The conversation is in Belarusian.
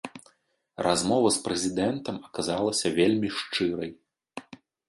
Размова з прэзідэнтам аказалася вельмі шчырай.